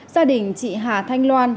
gia đình chị hà thanh loan